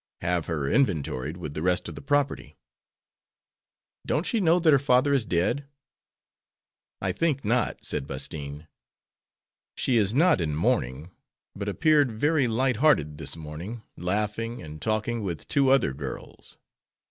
"Have her inventoried with the rest of the property." "Don't she know that her father is dead?" "I think not," said Bastine. "She is not in mourning, but appeared very light hearted this morning, laughing and talking with two other girls.